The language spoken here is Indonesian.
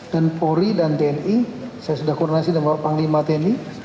dan pori dan tni saya sudah kornasi dengan bapak panglima tni